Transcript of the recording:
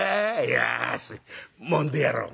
よしもんでやろう」。